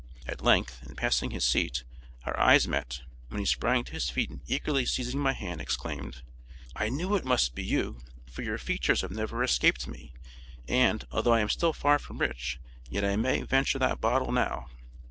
At length, in passing his seat, our eyes met, when he sprang to his feet and eagerly seizing my hand, exclaimed, 'I knew it must be you, for your features have never escaped me; and, although I am still far from rich, yet I may venture that BOTTLE NOW!'